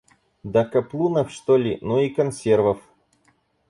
Да каплунов, что ли, ну и консервов.